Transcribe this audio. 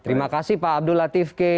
terima kasih pak abdul latif k